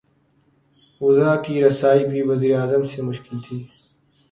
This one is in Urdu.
وزرا کی رسائی بھی وزیر اعظم سے مشکل تھی۔